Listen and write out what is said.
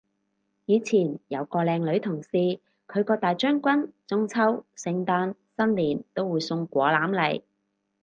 以前有個靚女同事，佢個大將軍中秋聖誕新年都會送果籃嚟